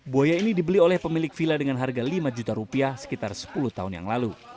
buaya ini dibeli oleh pemilik villa dengan harga lima juta rupiah sekitar sepuluh tahun yang lalu